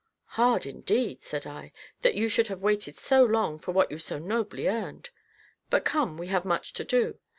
"Hard, indeed," said I, "that you should have waited so long for what you so nobly earned; but come, we have much to do.